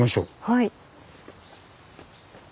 はい。